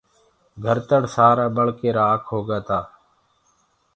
گھر تَڙ سآرآ ٻݪ ڪي رآکِ هوگآ تآ۔